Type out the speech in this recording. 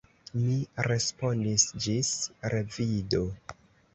Mi respondis: «Ĝis revido! »